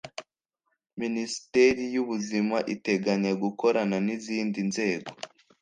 Minisiteri y’ Ubuzima iteganya gukorana n’ izindi nzego